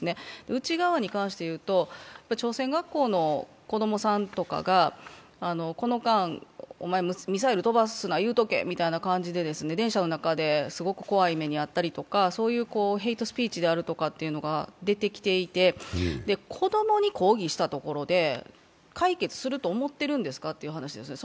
内側に関していうと、朝鮮学校の子供さんとかが、この間、お前、ミサイル飛ばすな言うとけみたいな感じで電車の中ですごく怖い目に遭ったりとか、ヘイトスピーチであるとかというのが出てきていて、子供に抗議したところで解決すると思ってるんですかという話ですよ。